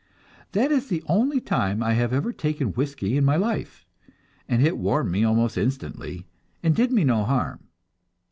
That is the only time I have ever taken whiskey in my life, and it warmed me almost instantly, and did me no harm.